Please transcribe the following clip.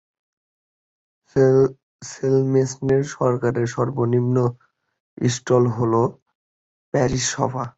সেলমেস্টনের সরকারের সর্বনিম্ন স্তর হল প্যারিশ সভা।